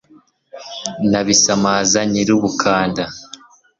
Na Bisamaza nyiri Ubukamba